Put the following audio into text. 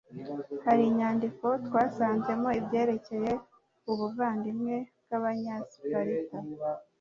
hari inyandiko twasanzemo ibyerekeye ubuvandimwe bw'abanyasiparita